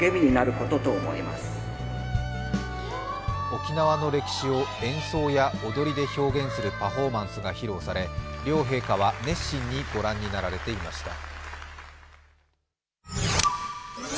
沖縄の歴史を演奏や踊りで表現するパフォーマンスが披露され両陛下は熱心にご覧になられていました。